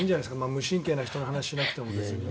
無神経な人の話をしなくても。